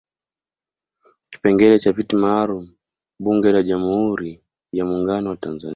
Kipengele cha viti maalum Bunge la Jamhuri ya Muungano wa Tanzania